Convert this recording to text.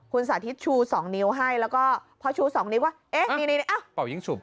คุณสาธิตชู๒นิ้วให้แล้วก็พอชู๒นิ้วว่าเอ๊ะนี่เป่ายิ่งสูบ